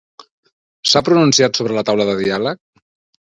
S'ha pronunciat sobre la taula de diàleg?